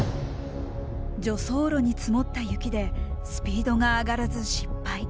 助走路に積もった雪でスピードが上がらず失敗。